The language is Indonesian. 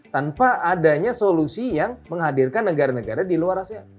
tanpa adanya solusi yang menghadirkan negara negara di luar asean